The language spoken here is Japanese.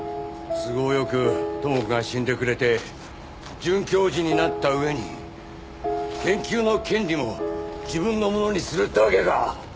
都合よく知子が死んでくれて准教授になった上に研究の権利も自分のものにするってわけか！